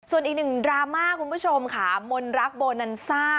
ส่วนอีกหนึ่งดราม่าคุณผู้ชมค่ะมนรักโบนันซ่า